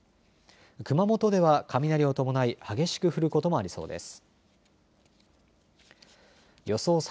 熊本では雷を伴い激しく降ることもありそうです。